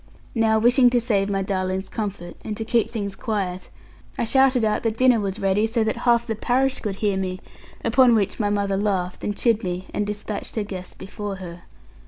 Now wishing to save my darling's comfort, and to keep things quiet, I shouted out that dinner was ready, so that half the parish could hear me; upon which my mother laughed, and chid me, and despatched her guests before her.